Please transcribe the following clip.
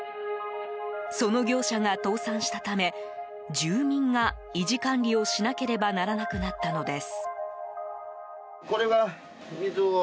その業者が倒産したため住民が維持管理をしなければならなくなったのです。